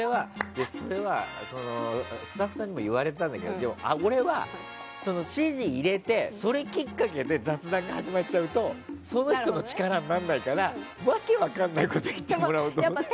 スタッフさんにも言われたんだけど俺は、指示入れてそれきっかけで雑談が始まっちゃうとその人の力にならないから訳分からないこと言ってもらおうと思って。